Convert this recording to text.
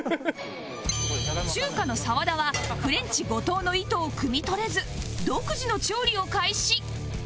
中華の澤田はフレンチ後藤の意図をくみ取れず独自の調理を開始